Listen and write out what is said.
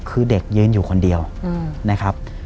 คือเด็กยืนอยู่คนเดียวนะครับ